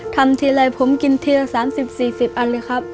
ทำทีไรผมกินทีละ๓๐๔๐อันเลยครับ